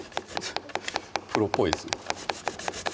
プロっぽいですね